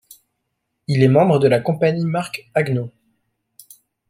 Il est membre de la compagnie Marc Haguenau.